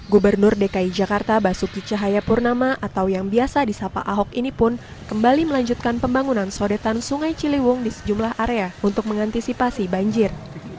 gubernur dki jakarta basuki cahayapurnama atau yang biasa disapa ahok ini pun kembali melanjutkan pembangunan sodetan sungai ciliwung di sejumlah area untuk mengantisipasi banjir